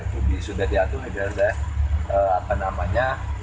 itu sudah diatur dari apa namanya